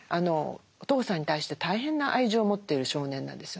お父さんに対して大変な愛情を持ってる少年なんですよね。